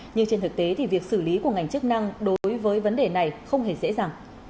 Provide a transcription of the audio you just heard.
nhưng trên thực tế thì việc xử lý của ngành chức năng đối với vấn đề này không hề dễ dàng